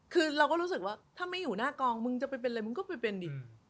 คือเราก็รู้สึกว่าถ้าไม่อยู่หน้ากองมึงจะไปเป็นอะไรมึงก็ไปเป็นดิ